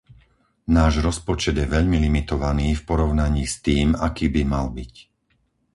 Náš rozpočet je veľmi limitovaný v porovnaní s tým, aký by mal byť.